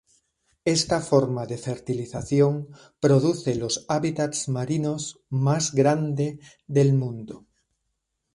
Esta forma de fertilización produce los hábitats marinos más grande del mundo.